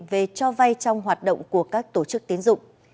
về cho vay trong hoạt động của các tổ chức tiến dụng